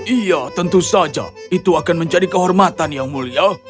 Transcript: iya tentu saja itu akan menjadi kehormatan yang mulia